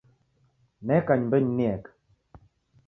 Neka nyumbenyi nieka